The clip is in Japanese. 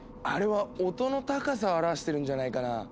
あれは音の高さを表してるんじゃないかな？